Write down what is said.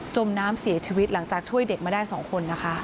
มน้ำเสียชีวิตหลังจากช่วยเด็กมาได้๒คนนะคะ